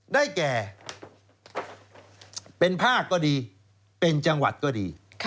ได้แก่เป็นภาคก็ดีเป็นจังหวัดก็ดี